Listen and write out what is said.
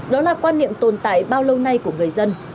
đó là quan niệm tồn tại bao lâu nay của người dân